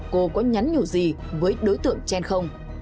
cô có nhắn nhủ gì với đối tượng trên không